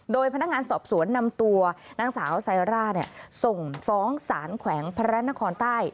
โดยพนักงานสอบสวนนำตัวนางสาวไซร่าส่งฟ้องสารแขวงพระนครใต้